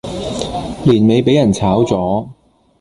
年尾俾人炒左